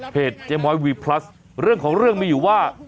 เจม้อยวีพลัสเรื่องของเรื่องมีอยู่ว่า